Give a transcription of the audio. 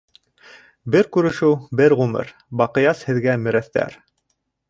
Бер күрешеү - бер ғүмер, баҡыяс һеҙгә, мерәҫтәр!